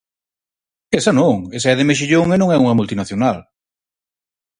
¡Esa non, esa é de mexillón e non é unha multinacional!